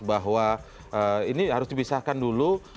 bahwa ini harus dipisahkan dulu